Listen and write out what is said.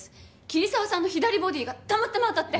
桐沢さんの左ボディーがたまたま当たって。